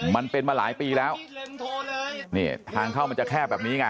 มันเป็นมาหลายปีแล้วนี่ทางเข้ามันจะแคบแบบนี้ไง